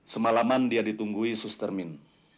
semalaman dia ditunggu sustermin